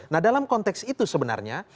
nah dalam konteks itu sebenarnya